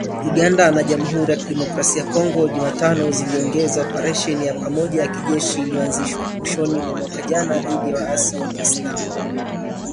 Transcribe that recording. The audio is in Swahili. Uganda na Jamhuri ya Kidemokrasi ya Kongo, Jumatano ziliongeza operesheni ya pamoja ya kijeshi iliyoanzishwa mwishoni mwa mwaka jana dhidi ya waasi wa kiislam